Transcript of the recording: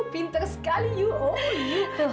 pinter sekali yuk oh iya